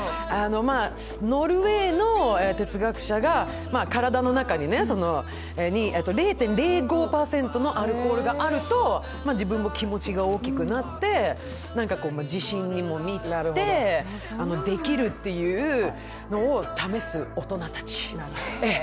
ノルウェーの哲学者が体の中に０．０５％のアルコールがあると自分の気持ちが大きくなって自信にも満ちてできるっていうのを試す大人たち。